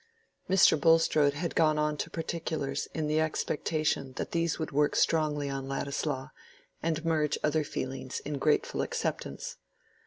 Mr. Bulstrode had gone on to particulars in the expectation that these would work strongly on Ladislaw, and merge other feelings in grateful acceptance.